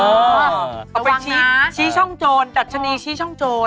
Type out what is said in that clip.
เอาไปชี้ช่องโจรดัชนีชี้ช่องโจร